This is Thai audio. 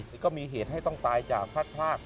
นี่ก็มีเหตุให้ต้องตายจากพรรดิภาค